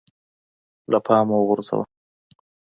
له پامه وغورځوو